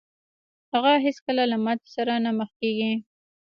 هغه هېڅکله له ماتې سره نه مخ کېږي.